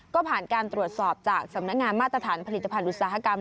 ก็ผ่านการตรวจสอบจากสำนักงานมาตรฐานผลิตภัณฑ์อุตสาหกรรม